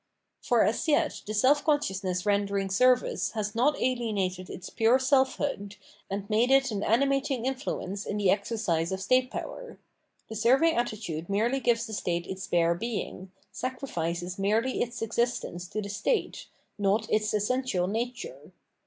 For as yet the self consciousness rendering service has not alienated its pure seK hood, and made it an animating influence in the exercise of state power; the serving attitude merely gjQ Phenomenology of Mind ahres the state its bare being, sacrifices merely fts existence to the state, not its essential nature.